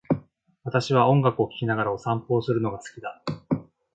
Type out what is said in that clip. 私は音楽を聴きながらお散歩をするのが好きだ。